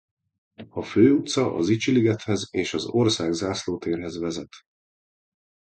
A Fő utca a Zichy ligethez és az Országzászló térhez vezet.